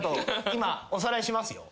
今おさらいしますよ。